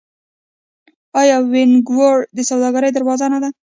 آیا وینکوور د سوداګرۍ دروازه نه ده؟